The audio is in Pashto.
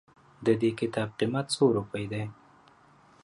ددي کتاب قيمت څو روپئ ده